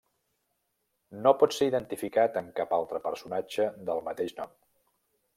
No pot ser identificat amb cap altre personatge del mateix nom.